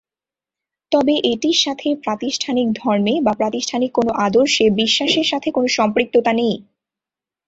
তবে এটির সাথে প্রাতিষ্ঠানিক ধর্মে বা প্রাতিষ্ঠানিক কোন আদর্শে বিশ্বাসের সাথে কোন সম্পৃক্ততা নেই।